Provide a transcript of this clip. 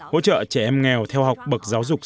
hỗ trợ trẻ em nghèo theo học bậc giáo dục